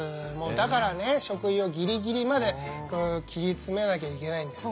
だからね食費をギリギリまで切り詰めなきゃいけないんですよ。